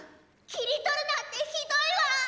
きりとるなんてひどいわ！